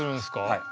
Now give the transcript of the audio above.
はい。